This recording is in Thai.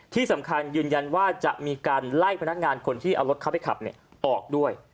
ยืนยันว่าจะมีการไล่พนักงานคนที่เอารถเข้าไปขับออกด้วย